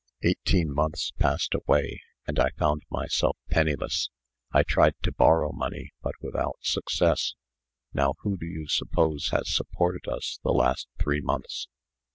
Eighteen months passed away, and I found myself penniless. I tried to borrow money, but without success. Now, who do you suppose has supported us the last three months?"